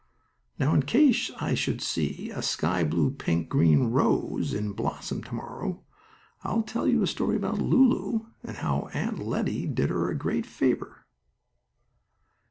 Now, in case I should see a sky blue pink green rose in blossom to morrow I'll tell you a story about Lulu, and how Aunt Lettie did her a great favor.